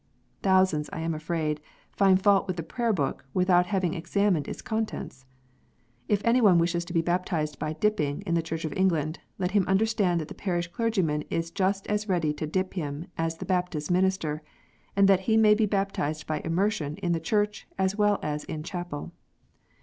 Thousands, I am afraid, find fault with the Prayer book without having ever examined its contents ! If any one wishes to be baptized by " dipping " in the Church of England, let him understand that the parish clergyman is just as ready to dip him as the Baptist minister, and that he may be baptized by "immersion" in church as well as in chapel.